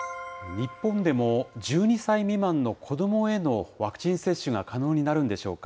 日本でも１２歳未満の子どもへのワクチン接種が可能になるんでしょうか。